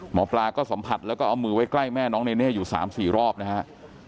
หมอปลาก็สัมผัสแล้วก็เอามือไว้ใกล้แม่น้องเนเน่อยู่๓๔รอบนะฮะ